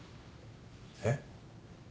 えっ？